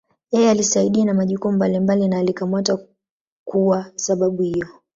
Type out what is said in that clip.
Yeye alisaidia na majukumu mbalimbali na alikamatwa kuwa sababu hiyo.